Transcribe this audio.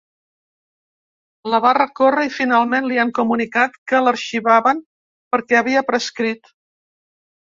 La va recórrer i finalment li han comunicat que l’arxivaven perquè havia prescrit.